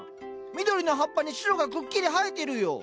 緑の葉っぱに白がくっきり映えてるよ。